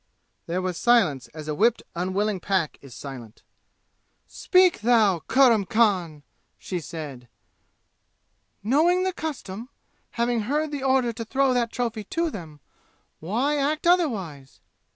There was silence, as a whipped unwilling pack is silent. "Speak, thou, Kurram Khan!" she said. "Knowing the custom having heard the order to throw that trophy to them why act otherwise?